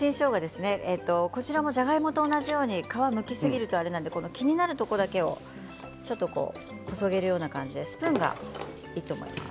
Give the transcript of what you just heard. こちらもじゃがいもと同じように皮をむきすぎると、あれなので気になるところだけこそげるようにスプーンがいいと思います。